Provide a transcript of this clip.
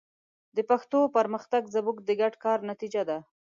د پښتو پرمختګ زموږ د ګډ کار نتیجه ده.